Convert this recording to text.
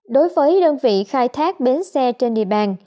đối với đơn vị khai thác bến xe trên địa bàn